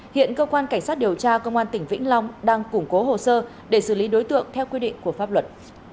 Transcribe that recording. hiện cơ quan cảnh sát điều tra công an tỉnh vĩnh long đang củng cố hồ sơ để xử lý đối tượng theo quy định của pháp luật